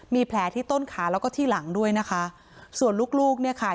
มีแผลที่ต้นขาแล้วก็ที่หลังด้วยนะคะส่วนลูกลูกเนี่ยค่ะ